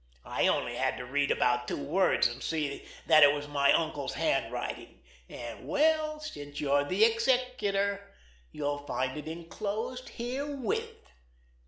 I only had to read about two words and see that it was in my uncle's handwriting, and—well, since you're the executor, you'll find it enclosed herewith!